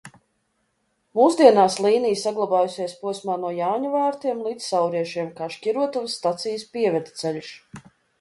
Mūsdienās līnija saglabājusies posmā no Jāņavārtiem līdz Sauriešiem kā Šķirotavas stacijas pievedceļš.